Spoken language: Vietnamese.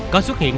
có xuất hiện